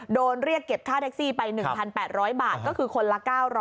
โดนเรียกเก็บค่าแท็กซี่ไป๑๘๐๐บาทก็คือคนละ๙๐๐